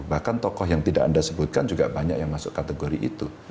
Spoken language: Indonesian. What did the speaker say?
bahkan tokoh yang tidak anda sebutkan juga banyak yang masuk kategori itu